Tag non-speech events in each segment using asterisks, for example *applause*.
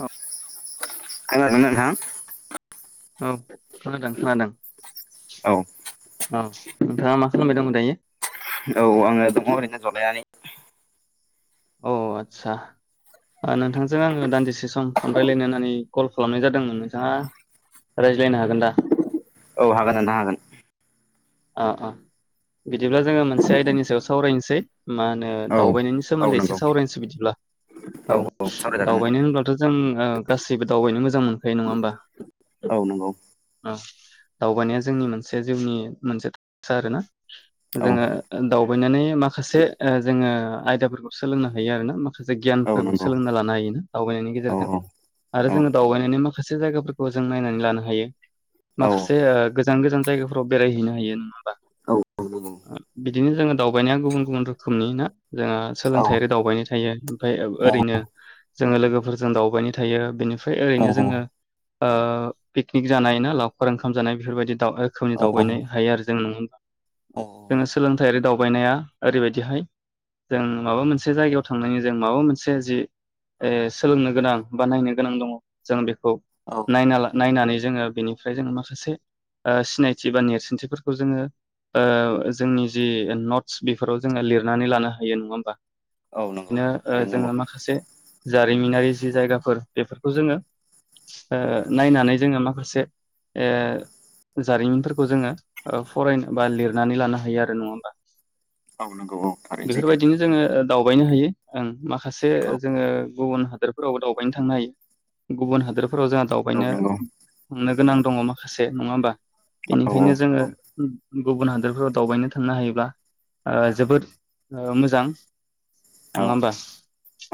औ *unintelligible* औ खोनादों खोनादों औ औ नोंथाङा मा खालामबाय दं दायो? औ आङो दङ ओरैनो जलायनानै *unintelligible* अ आदसा नोंथांजों आङो दान्दिसे सम फन रायज्लायनो होननानै कल खालामनाय जादोंमोन नोंथाङा रायज्लायनो हागोन दा औ हागोन नोंथां हागोन अ अ बिदिब्ला जोङो मोनसे आयदानि सायाव सावरायनोसै मा होनो औ दावबायनायनि औ सोमोन्दै एसे नंगौ सावरायनोसै बिदिब्ला औ दावबायनो होनब्लाथ' जों ओ गासैबो दावबायनो मोजां मोनखायो नङा होमबा औ नंगौ औ दावबायनाया जोंनि मोनसे जिउनि मोनसे *inaudible* आरो ना औ जोङो दावबायनानै माखासे ओ जोङो आयदाफोरखौ सोलोंनो हायो आरो ना मा खासे औ गियानफोरखौ नंगौ सोलोंना लानो हायोना दावबायनायनि औ गेजेरजों औ आरो औ जोङो दावबायनायनि मा खासे जायगाफोरखौ जों नायनानै लानो हायो। औ माखासे ओ गोजान गोजान जायगा फोराव बेरायहैनो *unintelligible* *unintelligible* औ नंगौ बिदिनो जोङो दावबायनाया गुबुन गुबुन रोखो *unintelligible* जोंहा औ सोलोंथायारि दावबायनो थायो ओमफ्राय औ ओरैनो जोङो लोगोफोरजों दावबायनाय थायो बेनि फ्राय औ ओरैनो जोङो ओ पिकनिक जानाय ना लावखार ओंखाम जानाय बेफोरबायदि *unintelligible* रोखोमनि दावबायनाय जों *unintelligible* जोङो सोलोंथाइयारि दाव बायनाया ओरैबायदिहाय जों माबा मोनसे जायगायाव थांनायनि जों माबा मोनसे जि ओ सोलोंनो गोनां बा नायनो गोनां दङ जों बेख खौ औ नायनाला नायनानै जोङो बेनिफ्राय जो माखासे ओ सिनायथि बा नेरसो दिन्थिफोरखौ जोङो ओ जोंनि जि नटस बिफोराव जोङो लिरनानै लानो हायो नङा होमबा? औ नंगौ नो ओ थारैनो नंगौ जोङो माखासे जारिमिनारि जि जायगाफोर बेफोरखौ जोङो ओ ओ नायनानै जोङो माखासे ओ जारिमिनफोरखौ जोङो ओ फरेन बा लिरनानै लानो हायो आरो नङा होमबा? औ नंगौ औ आरो जेके बेफोरबायदिनो जोङो दावबायनो हायो ओं। माखासे जोङो गुबुन हादोरफोरावबो दावबायनो थांनो हायो गुबुन हादोर फोराव जोंहा औ दावबायनो नंगौ हमनो गोनां दङ माखासे नङा होमबा? औ जोङो उम। गुबुन हादोरफोराव दावबायनो थांनो हायोब्ला ओ जोबोद ओ मोजां। औ नङा होमबा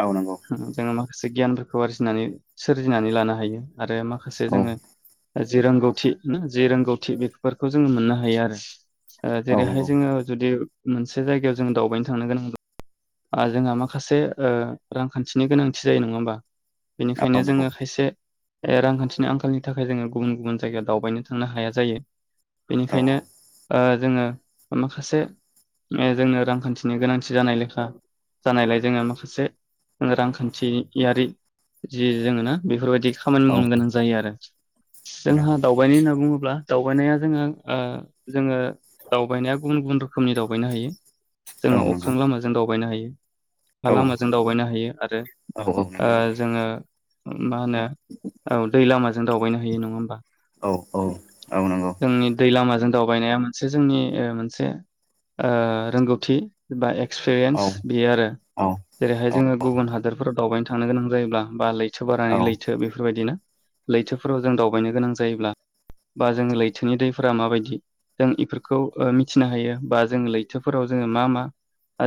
औ नंगौ होम *unintelligible* खासे गियानफोरखौ आरजिनानै सोरजिनानै लानो हायो। आरो माखासे औ जोङो आरो जि रोंगौथि ना जि रोंगौथि बिख फोरखौ जोङो मोननो हायो आरो। ओ औ जेरैहाय नंगौ जोङो जुदि मोनसे जायगायाव जों दावबायनो थांनो गोनां दं आरो जोंहा माखासे ओ रांखान्थिनि गोनांथि जायो नङा होमबा? औ नंगौ औ बिनिखायनो नंगौ जोङो खायसे ए रांखान्थिनि आंखालनि थाखाय जोङो गुबुन गुबुन जायगायाव दावबायनो थांनो हाया जायो। औ नंगौ औ बिनिखायनो ओ जोङो माखासे मे जोंनो रांखान्थिनि गोनांथि जानाय लेखा जानायलाय जोङो माखासे रांखान थियारि जि जोङोना बेफोरबायदि खामानि औ मावनो गोनां जायो आरो जोंहा दावबानाय होनना बुङोब्ला दावबायनाया जोंङो ओ जोङो दावबायनाया गुबुन गुबुन रोखोमनि दावबायनो हायो। औ जोङो नंगौ अख्रां लामाजों दावबायनो हायो। हा औ लामाजों दावबायनो हायो आरो औ ओ जोङो मा होनो औ दै लामा जों दावबायनो हायो नङा होमबा? औ औ औ नंगौ। जोंनि दै लामाजों दावबायनाया मोनसे जोंनि ओ मोनसे ओ रोंगौथि बा एग। एक्सपिरियेन्स औ बेयो आरो जेरैहाय औ जोङो औ गुबुन हादरफोराव। दावबायनो थांनो गोनां जायोब्ला बा लै। स औ बारनानै लैथो बेफोरबायदिना लैथोफोराव जों दावबायनो गोनां जायोब्ला बा जोङो लैथो लैथोनि दैफोरा माबायदि जों इफोरखौ मिथिनो हायो बा जों लैथोफोराव जोङो मा मा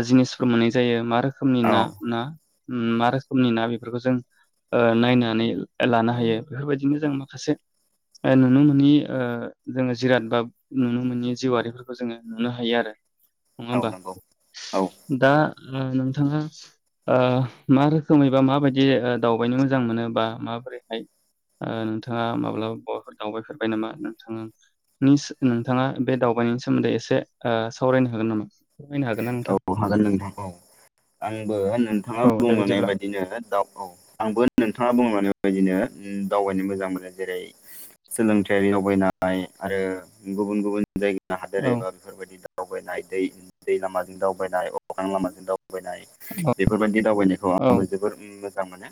जिनिसखौ मोननाय जायो मा रोखो रोखोमनि औ ना ना मा रोखोमनि ना बेफोरखौ जों नायनानै लानो हायो बेफोरबायदिनो जों माखासे नुनो मोनि ओ जोङो जिराद बा नुनो मोनि जिउवारिफोरखौ जोङो नुनो हायो आरो नङा औ होमबा नंगौ औ दा ओ नोंथाङा ओ मा रोखोमै बा माबायदि दावबायनो मोजां मोनो बा माबोरैहाय नोंथाङा माब्लाबाफोर दावबायफेरबाय नामा नोंथाङा नि नोंथाङा बे दावबायनायनि सोमोन्दै एसे सावरायनो हागोन नामा फोरमायनो हागोन ना औ नोंथां? हागोन नोंथां औ आंबो नोंथाङा औ दे बुंलांनाय बिदिब्ला बायदिनो दा औ आंबो नोंथाङा बुंलांनाय बायदिनो दावबायनो मोजां मोनो जेरै सोलोंथाइयारि दावबायनाय आरो गुबुन गुबुन जायगा औ हादर एबा बेफोरबायदि दा दावबायनाय दै दै नामाज दावबायनाय अख्रां लामाजों दावबायनाय औ बेफोरबायदिनो दावबायनायखौ औ आंबो जोबोर मोजां मोनो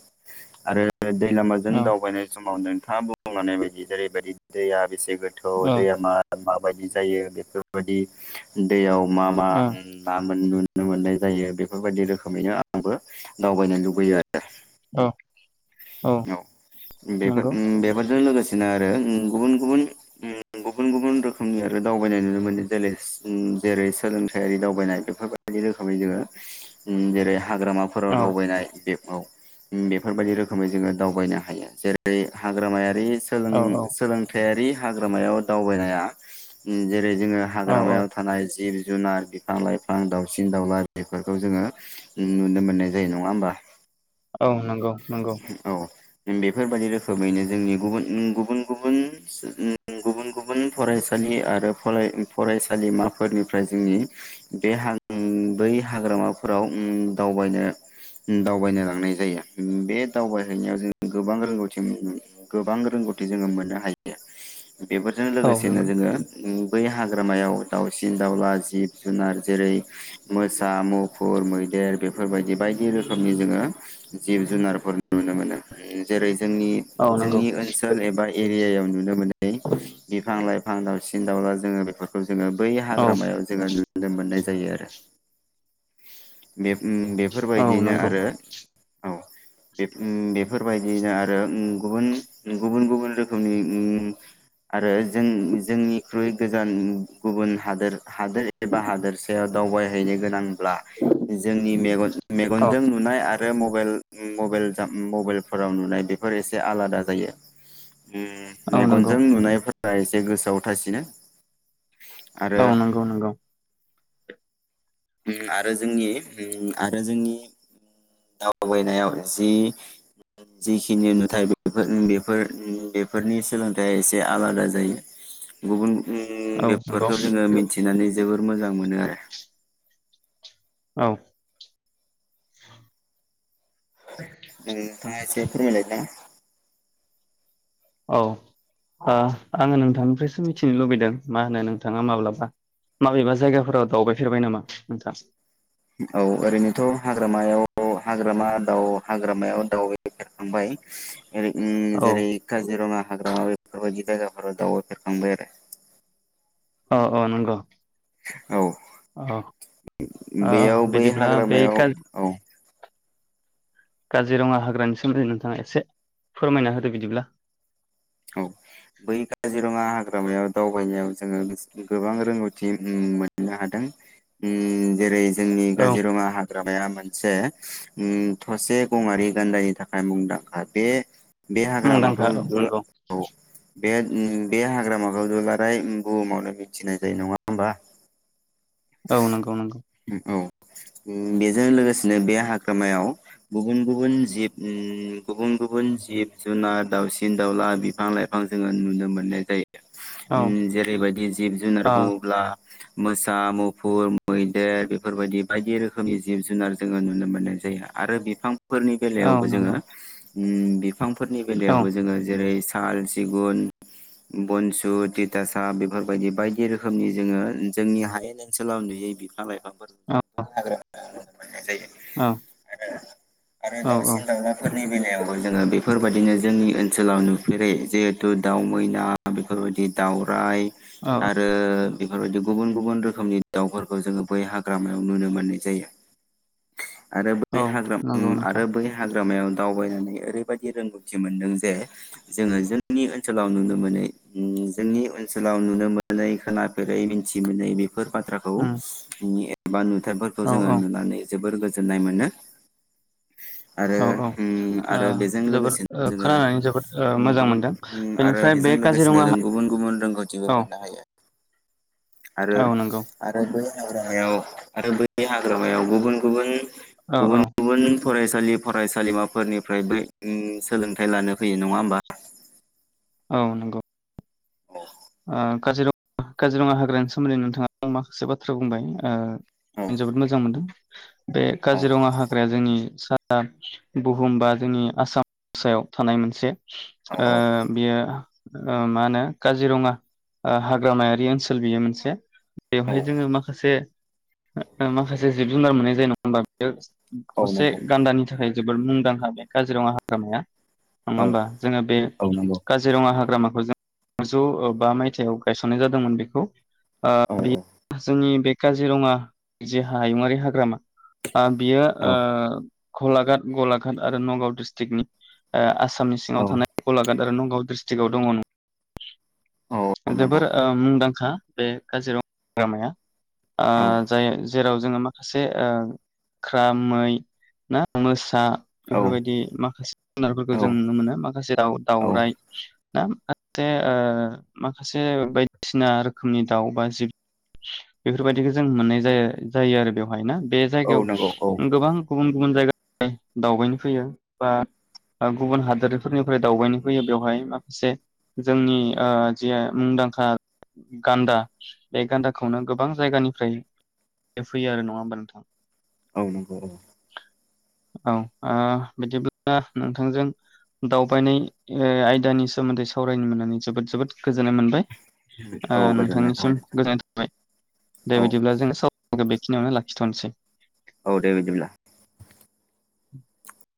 आरो दै लामाजों औ दावबायनाय समाव नों नोंथाङा बुंलांनाय बायदि जेरैबायदि दैया बेसे गो थ' औ दैया मा मा बायदि जायो बेफोरबायदि दैयाव मा मा औ नुनो मोननाय जायो बेफोरबायदि रोखोमैनो आंबो दावबायनो लुबैयो आरो औ औ बेफोर नंगौ ओम बेफोरजों लोगोसे बिदिनो आरो गुबुन गुबुन गुबुन गुबुन रोखोमनि आरो दावबायनाय नुनो मोनो जेरै जेरै सोलोंथाइयारि दावबायनाय बेफोरबायदि रोखोमै जोङो जेरै हाग्रामाफोराव औ दावबायनाय बे औ बेफोरबायदि रोखोम रोखोमै जोङो दावबायनो हायो जेरै हाग्रामायारि औ औ सोलोंथाइयारि हाग्रामायाव दावबायनाया जेरै जोङो औ औ हाग्रामायाव थानाय जिब जुनार बिफां लाइफां दाउसिन दाउला बेफोरखौ जोङो नुनो मोननाय जायो नङा होमबा औ नंगौ नंगौ औ बेफोरबायदि रोखोमैनो जोंनि गुबुन-गुबुन-गुबुन सो गुबुन-गुबुन फरायसालि आरो फराय फरायसालिमाफोरनिफ्राय जोंनि बे हा बै हाग्रामाफोराव ओम दावबायनो दावबायनो लांनाय जायो। बे दावबायहैनायाव जों गोबां रोंगौथि गोबां रोंगौथि जोङो मोननो हायो। बेफोरजों औ लोगोसेनो नंगौ जोङो बै हाग्रामायाव दावउसिन दाउला जिब जुनार जेरै मोसा मुफुर मैदेर बेफोरबायदि बायदि बे रोखोमनि जोङो जिब जुनारफोर नुनो मोनो ओम जेरै औ नंगौ जोंनि-जोंनि ओनसोल एबा एरियायाव नुनो मोनै बिफां लाइफां बिफां दावसि दाला जोङो बेफोरखौ जोङो बै औ हाग्रामायाव जोङो। नुनो मोननाय जायो आरो। ओम औ बेफोरबायदियनो नंगौ आरो औ बे बेफोरबायदियैनो आरो ओम गुबुन-गुबुन-गुबुन रोखोमनि ओम आरो जों जोंनिख्रुइ गोजान गुबुन हादोर हादोर एबा हादोरसायाव दावबायहैनो गोनांब्ला जोंनि मेगन औ मेगनजों नुनाय आरो बे मबाइल-मबाइल जाम मबाइलफोराव नुनाय बेफोर एसे आलादा जायो। उम औ नंगौ मेगनजों नुनायफोर बा एसे गोसोआव थासिनो। आरो औ नंगौ नंगौ। उम आरो जोंनि ओम आरो जोंनि दावबायनायाव जि जिखिनि नुथाय बेफोर उम बेफोर उम बेफोरनि सोलोंथाइया एसे आलादा जायो गुबुन उम औ नंगौ बेफोरखौ जोङो मिथिनानै जोबोर मोजां मोनो आरो औ नोंथाङा एसे फोरमायलाय *unintelligible* औ ओ आङो नोंथांनिफ्रायसो मिथिनो लुबैदों मा होनो नोंथाङा माब्लाबा माबेबा जायगाफोराव दावबायफेरबाय नामा नोंथां? औ ओरैनोथ' हाग्रामायाव हाग्रामा दाउ हाग्रामायाव दाउ *unintelligible* जेरै उम औ जेरै काजिरङा हाग्रामा बेफोरबायदि जायगायाव आरो दावबायफेरखांबाय आरो अ अ नंगो *inaudible* औ ओ बेयाव बै बिदिब्ला बे हाग्रामायाव औ काजिरङा हाग्रानि सोमोन्दै नोंथाङा एसे फोरमायना होदो बिदिब्ला औ बै काजिरङा हाग्रामायाव दावबायनायाव जोङो गोबां रोंगौथि मोननो हादों। उम जेरै जोंनि औ काजिरङा हाग्रा मोनसे उम थसे गंआरि गान्दानि थाखाय मुंदांखा। बे मुंदांखा नंगौ। औ बे उम बे हाग्रामाखौ दुलाराय उ‌म बुहुमावनो मिथिनाय जायो नङा होनबा औ नंगौ नंगौ बेजों लोगोसेनो बे हाग्रामायाव गुबुन गुबुन जिब उ गुबुन गुबुन जिब जुनार दावसिन दाउला बिफां लाइफां जोङो नुनो मोननाय जायो। औ उम जेरैबायदि जिब जुनार ओ बुङोब्ला मोसा मु फुर मैदेर बेफोरबायदि बायदि रोखोमनि जिब जुनार जोङो नुनो मोननाय जायो आरो बिफां फोरनि औ बेलायावबो जोङो नंगौ उम बि बिफांफोरनि औ बेलायावबो जोङो जेरै स साल सिगुन बनसु थिथासा बेफोरबायदि बायदि रोखोमनि जोङो जोंनि हाय सोलाव नुयि बिफां लाइफां औ हाग्रा जायो औ आरो आरो औ दाउसिन दाउलाफोर नि बेलायावबो जोङो बेफोरबायदिनो जोंनि ओनसोलाव नुफेरै जिहेथु दाव मैना बेफोरबायदि दाउराइ औ आरो बेफोरबायदि गुबुन - गुबुन रोखोमनि दाउफोरखौ जोङो बै हाग्रामायाव नुनो मोननाय जायो। आरो बै औ हाग्रा उम नंगौ नोंथां आरो बै हाग हाग्रामायाव दावबायनानै ओरैबायदि रोंगौथि मोनदों जे जोङो जोंनि ओनसोलाव नुनो मोनै जोंनि ओनसोलाव नुनो मोनै खोनाफेरै मिथि मोनै बेफोर बाथ खौ उम बिनि ए बा नु थायफोरखौ औ जोङो औ नुनानै जोबोर गोजो जोननाय मोनो। आरो औ औ उम ओ आरो बेजों जोबोद लोगोसेनो जोङो खोनानानै जोबोद मोजां गुबुन मोनदों उम आरो बेनिफ्राय बेजों बे लोगोसेनो काजिरङा जों गुबुन गुबुन रोंगौथिबो औ मोननो हायो आरो औ नंगौ आरो बै हाग्रामायाव आरो बै हाग्रामायाव गुबुन गुबुन औ गुबुन औ गुबुन फरायसालि फरायसालिमाफोरनिफ्रायबो ओ सोलोंथाइ लानो फैयो नङा होमबा। औ नंगौ अ ओ काजिरङा काजिरङा हाग्रानि सोमोन्दै नोंथांङा माखासे बाथ्रा बुंबाय ओ औ आं जोबोद मोजां मोनदों। बे औ काजिरङा हाग्राया जोंनि सा आ बुहुम बा जोंनि आसाम सायाव थानाय मोनसे ओ बियो ओ माहोनो काजिरङा ओ हाग्रामायारि ओनसोल बेयो मोनसे औ बेवहाय जोङो माखासे ओ माखासे जिब -जुनार मोननाय जायो नङाबा *unintelligible* औ थसे नंगौ गान्दानि थाखाय जोबोद मुंदांखा बे काजिरंङा हाग्रामाया नंङा औ होमबा जोंङो बे औ नंगौ काजिरंङा हाग्रामा खौ जों ज ओ बा मायथाइयाव गायसननाय जादोंमोन बेखौ ओ औ बि जोंनि बेग काजिरंङा जे हायुङारि हाग्रामा आ बियो औ ओ घलागाट गलाघाट आरो नगाव डिस्ट्रिक्टनि ओ आस सामनि सिंङाव थानाय गलाघाट आरो न गाव डिस्ट्रिक्टआव दङ' नों औ नंगौ औ जोबोर ओ मुंदांखा *unintelligible* ओ औ जाय जेराव जोंङो माखासे ओ ख्रा मै ना मोसा औ बेफोरबायदि माखासे जुनारफोरखौ जों नंगौ नुनो मोनो माखासे दाव दावराइ *unintelligible* ओ माखासे बायदिसिना रोखोमनि दाउ बा जिब बेफोरबायदिखौ जों मोननाय जा जायो आरो बेवहाय ना बे जायगायाव औ गोबां गुबन गुबुन जायगानि दावबायनो फैयो बा आ गुबुन हादरफोरनिफ्राय दावबायनो फैयो बेवहाय माखासे जोंनि ओ जे मुंदांखा गान्दा बे गान्दाखौनो गोबां जायगानिफ्राय *unintelligible* फैयो आरो नंङा होमबा नोंथां औ नंगौ औ औ आ बिदिब्ला नोंथांजों दावबायनाय ओ आयदानि सोमोन्दै सावरायनो मोननानै जोबोद जोबोद गोजोननाय मोनबाय औ ओ गोजोननाय थाबाय नोंथांनिसिम नोंथांसिम गोजोननाय थाबाय दे औ बिदिब्ला जोंङो स अके बेखिनियावनो लाखिथ'निसै औ दे बिदिब्ला *unintelligible*